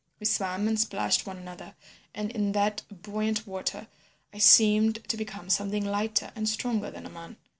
We swam and splashed one another, and in that buoyant water I seemed to become something lighter and stronger than a man.